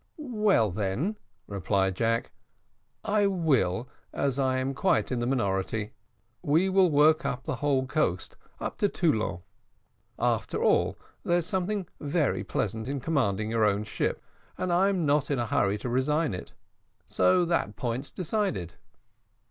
"Well, then," replied Jack, "I will, as I am quite in the minority. We will work up the whole coast up to Toulon. After all, there's something very pleasant in commanding your own ship, and I'm not in a hurry to resign it so that point's decided."